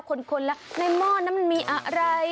คนแล้วในหม้อนั้นมันมีอะไร